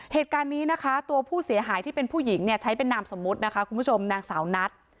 เหตุการณ์นี้นะคะตัวผู้เสียหายที่เป็นผู้หญิงเนี่ยใช้เป็นนามสมมุตินะคะคุณผู้ชมนางสาวนัท